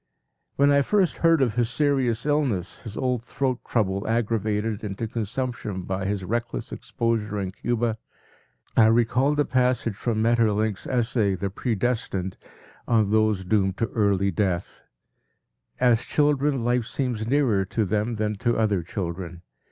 When I first heard of his serious illness, his old throat trouble aggravated into consumption by his reckless exposure in Cuba, I recalled a passage from Maeterlinck’s essay, “The Pre Destined,” on those doomed to early death: “As children, life seems nearer to them than to other children.